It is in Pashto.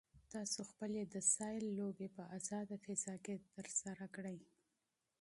تاسو خپلې تفریحي لوبې په ازاده فضا کې ترسره کړئ.